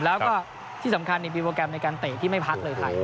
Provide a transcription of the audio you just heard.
แล้วก็ที่สำคัญมีโปรแกรมในการเตะที่ไม่พักเลยไทย